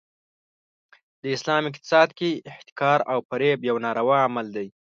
د اسلام اقتصاد کې احتکار او فریب یو ناروا عمل دی.